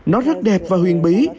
nó rất đẹp và huyền bí